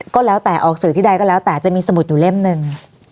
ก็แล้วแต่ออกสื่อที่ใดก็แล้วแต่จะมีสมุดอยู่เล่มหนึ่ง